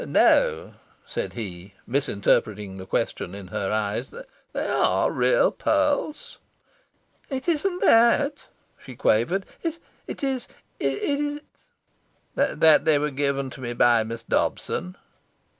"No," said he, misinterpreting the question in her eyes, "they are real pearls." "It isn't that," she quavered, "it is it is " "That they were given to me by Miss Dobson?"